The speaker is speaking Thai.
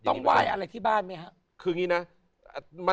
ต้องว่ายอะไรที่บ้านไหมครับ